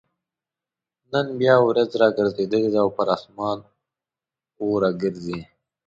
نن بيا اوريځ راګرځېدلې ده او پر اسمان اوره ګرځي